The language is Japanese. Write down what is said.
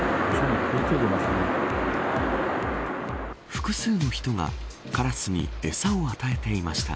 複数の人がカラスに餌を与えていました。